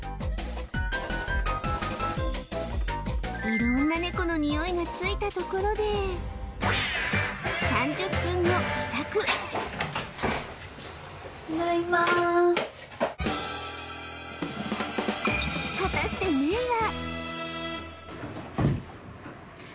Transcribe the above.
色んなネコのニオイがついたところで果たしてメイは？